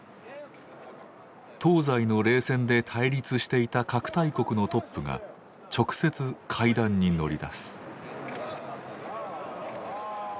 東西の冷戦で対立していた核大国のトップが直接会談に乗り出す。